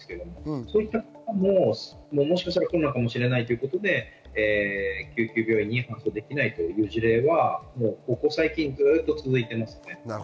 そういった方も、もしかしたらコロナかもしれないということで救急病院に搬送できないという事例はここ最近ずっと続いています。